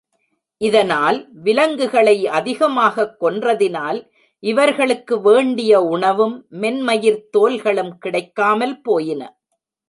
இதனால், விலங்குகளை அதிகமாகக் கொன்றதினால், இவர்களுக்கு வேண்டிய உணவும், மென்மயிர்த் தோல்களும் கிடைக்காமல் போயின.